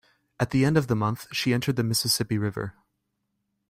At the end of the month, she entered the Mississippi River.